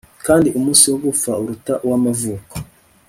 kandi umunsi wo gupfa uruta uw'amavuko